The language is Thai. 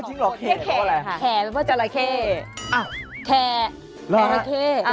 เล่นจรเค่เลยเนอะ